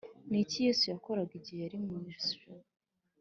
Ni iki yesu yakoraga igihe yari mu ijuru